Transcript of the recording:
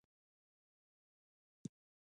ایا مصنوعي ځیرکتیا د انساني اخلاقو پابنده نه ده؟